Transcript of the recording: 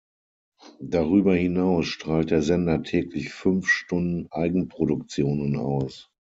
Darüber hinaus strahlt der Sender täglich fünf Stunden Eigenproduktionen aus.